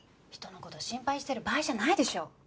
人の事心配してる場合じゃないでしょ。